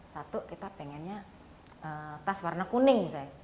satu kita pengennya tas warna kuning